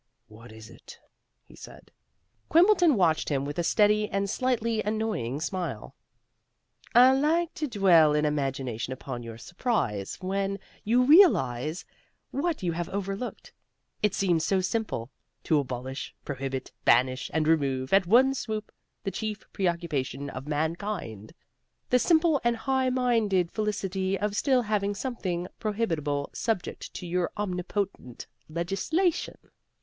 "What is it?" he said. Quimbleton watched him with a steady and slightly annoying smile. "I like to dwell in imagination upon your surprise when you realize what you have overlooked. It seems so simple! To abolish, prohibit, banish, and remove, at one swoop, the chief preoccupation of mankind! The simple and high minded felicity of still having something prohibitable subject to your omnipotent legislation!